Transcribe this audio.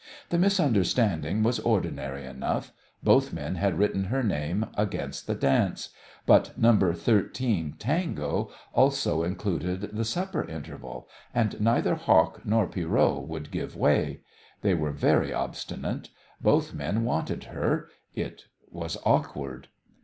The misunderstanding was ordinary enough both men had written her name against the dance but "No. 13, Tango" also included the supper interval, and neither Hawk nor Pierrot would give way. They were very obstinate. Both men wanted her. It was awkward.